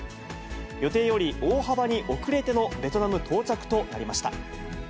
予定より大幅に遅れてのベトナム到着となりました。